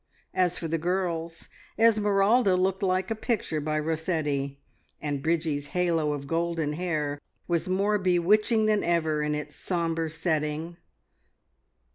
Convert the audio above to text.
As for the girls, Esmeralda looked like a picture by Rossetti, and Bridgie's halo of golden hair was more bewitching than ever in its sombre setting.